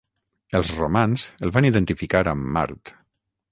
Els romans el van identificar amb Mart.